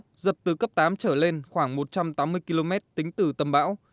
bản kinh gió mạnh từ cấp tám trở lên khoảng một trăm tám mươi km tính từ tâm bão